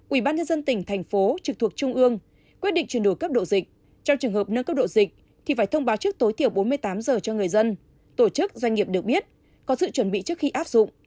ủy ban nhân dân tỉnh thành phố trực thuộc trung ương quyết định chuyển đổi cấp độ dịch trong trường hợp nâng cấp độ dịch thì phải thông báo trước tối thiểu bốn mươi tám giờ cho người dân tổ chức doanh nghiệp được biết có sự chuẩn bị trước khi áp dụng